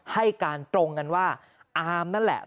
ให้การตรงกันว่าอามนั่นแหละ